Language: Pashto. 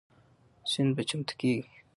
سند به چمتو کیږي.